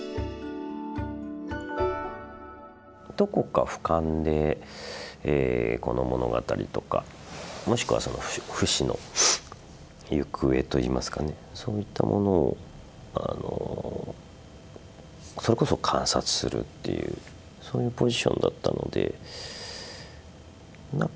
どこか俯瞰でこの物語とかもしくはそのフシの行方といいますかねそういったものをそれこそ観察するっていうそういうポジションだったのでなんか